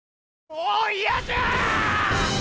もう嫌じゃあ！